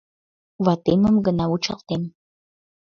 Ватемым гына вучалтем.